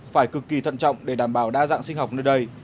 phải cực kỳ thận trọng để đảm bảo đa dạng sinh học nơi đây